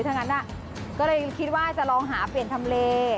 ทั้งนั้นก็เลยคิดว่าจะลองหาเปลี่ยนทำเล